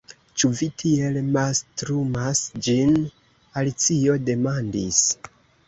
"Ĉu vi tiel mastrumas ĝin?" Alicio demandis.